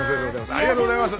ありがとうございます。